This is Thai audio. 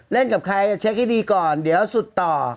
กับใครเช็คให้ดีก่อนเดี๋ยวสุดต่อ